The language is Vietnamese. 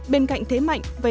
bên cạnh thế mạnh về